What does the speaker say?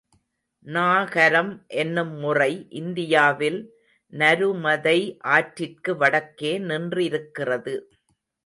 நாகரம், என்னும் முறை இந்தியாவில் நருமதை ஆற்றிற்கு வடக்கே நின்றிருக்கிறது.